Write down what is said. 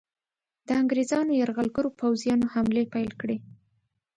د انګریزانو یرغلګرو پوځیانو حملې پیل کړې.